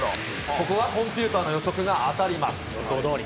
ここはコンピューターの予測が当予想どおり。